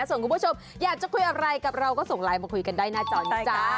สวัสดีคุณผู้ชมอยากจะคุยอะไรกับเราก็ส่งไลน์มาคุยกันได้นะจ๊ะ